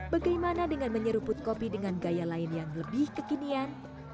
bagaimana dengan menyeruput kopi dengan gaya lain yang lebih kekinian